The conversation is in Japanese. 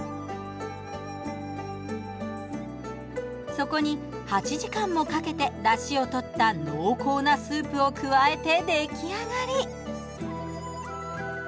そこに８時間もかけてだしを取った濃厚なスープを加えて出来上がり。